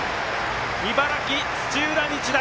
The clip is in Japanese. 茨城、土浦日大